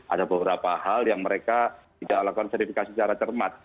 ada beberapa hal yang mereka tidak lakukan verifikasi secara cermat